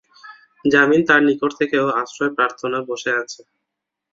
যমীন তাঁর নিকট থেকেও আশ্রয় প্রার্থনা করে বসে।